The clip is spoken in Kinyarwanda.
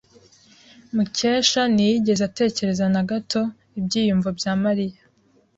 Mukesha ntiyigeze atekereza na gato ibyiyumvo bya Mariya.